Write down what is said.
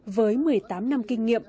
với một mươi tám năm kinh nghiệm